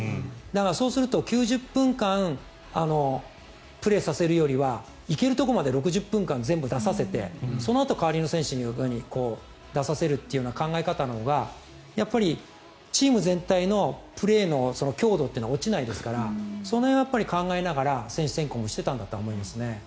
だから、そうすると９０分間プレーさせるよりは行けるところまで６０分間、全部出させてそのあと代わりの選手を出させるという考え方のほうがやっぱり、チーム全体のプレーの強度というのは落ちないですからその辺は考えながら選手選考もしてたんだと思いますね。